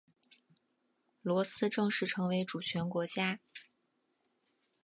罗斯正式成为主权国家。